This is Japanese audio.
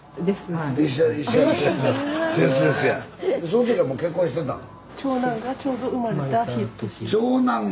そのときはもう結婚してたん？